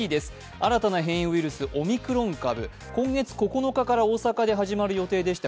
新たな変異ウイルス、オミクロン株今月９日から大阪から始まる予定でした